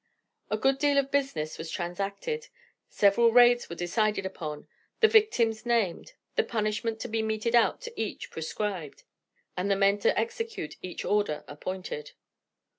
A good deal of business was transacted; several raids were decided upon, the victims named, the punishment to be meted out to each prescribed, and the men to execute each order appointed.